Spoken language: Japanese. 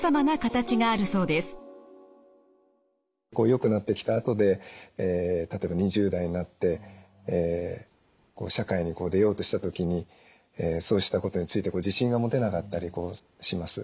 よくなってきたあとで例えば２０代になって社会に出ようとしたときにそうしたことについて自信が持てなかったりします。